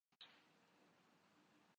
Bulgaria